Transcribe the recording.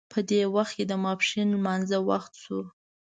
په دغه وخت کې د ماپښین لمانځه وخت شو.